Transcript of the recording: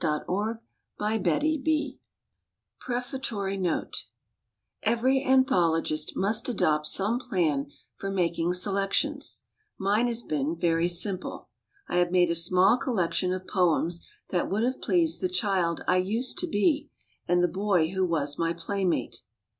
d "S " RAINBOW GOLD PREFATORY NOTE Every anthologist must adopt some plan for making selec tions. Mine has been very simple. I have made a small collection of poems that would have pleased the child I used to be and the boy who was my playmate.